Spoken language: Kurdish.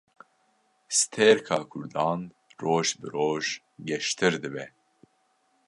Stêrka Kurdan, roj bi roj geştir dibe